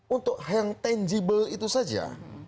untuk yang tangible itu saja